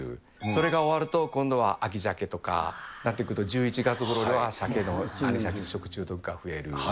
それが終わると、今度は秋ジャケとかになってくると１１月ごろには、サケのアニサキス食中毒が増える。